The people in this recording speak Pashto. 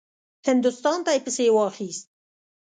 هندوستان ته یې پسې واخیست.